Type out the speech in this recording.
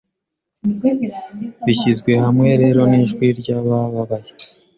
Bishyizwe hamwe rero nijwi ryabababaye